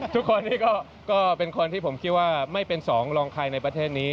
ทุกคนนี้ก็เป็นคนที่ผมคิดว่าไม่เป็นสองรองใครในประเทศนี้